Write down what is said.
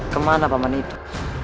kemana paman itu